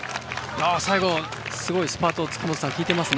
最後、すごいスパートが効いていますね。